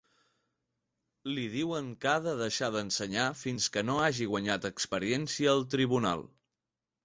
Li diuen que ha de deixar d'ensenyar fins que no hagi guanyat experiència al tribunal.